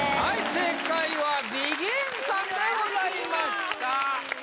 正解はＢＥＧＩＮさんでございました